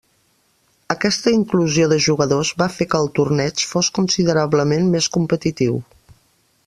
Aquesta inclusió de jugadors va fer que el torneig fos considerablement més competitiu.